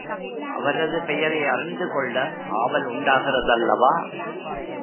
அவரது பெயரை அறிந்து கொள்ள ஆவல் உண்டாகிறதல்லவா?